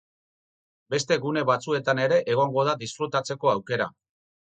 Beste gune batzuetan ere egongo da disfrutatzeko aukera.